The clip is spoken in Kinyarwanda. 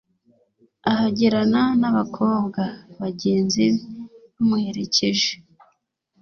ahagerana n’abakobwa bagenzi be bamuherekeje